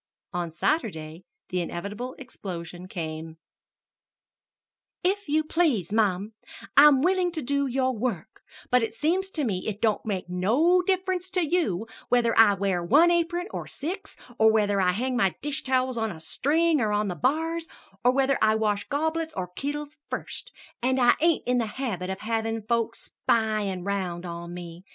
On Saturday the inevitable explosion came: "If you please, mum, I'm willin' to do your work, but seems to me it don't make no difference to you whether I wear one apron or six, or whether I hang my dish towels on a string or on the bars, or whether I wash goblets or kittles first; and I ain't in the habit of havin' folks spyin' round on me.